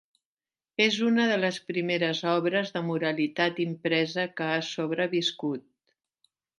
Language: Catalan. És una de les primeres obres de moralitat impresa que ha sobreviscut.